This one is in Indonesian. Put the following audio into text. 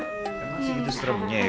emang masih gitu seremnya ya gue